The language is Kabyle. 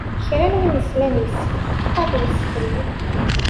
Kra n win ara yeslen yis-i, ad yeḍṣ fell-i.